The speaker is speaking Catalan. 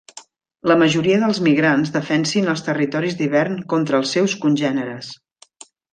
La majoria dels migrants defensin els territoris d'hivern contra els seus congèneres.